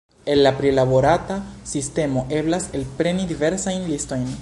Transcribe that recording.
El la prilaborata sistemo eblas elpreni diversajn listojn.